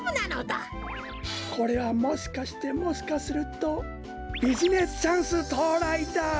これはもしかしてもしかするとビジネスチャンスとうらいだ！